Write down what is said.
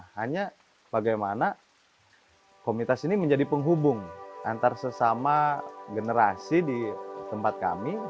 hanya bagaimana komunitas ini menjadi penghubung antar sesama generasi di tempat kami